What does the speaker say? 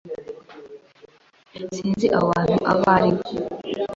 Sinzi abo bantu abo ari bo.